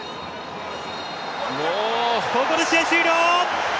ここで試合終了。